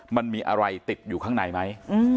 มันมีอะไรติดอยู่ข้างในไหม